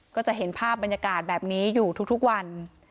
ก็จะเห็นภาพบรรยากาศแบบนี้อยู่ทุกวัน